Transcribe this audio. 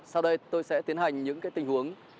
sau đây tôi sẽ tiến hành những tình huống